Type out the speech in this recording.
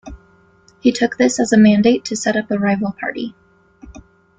He took this as a mandate to set up a rival party.